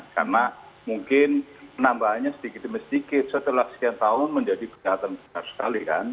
karena mungkin penambahannya sedikit demi sedikit setelah sekian tahun menjadi kegiatan besar sekali kan